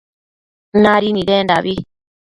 Nadi nidendabi